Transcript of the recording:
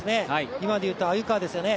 今でいうと鮎川ですよね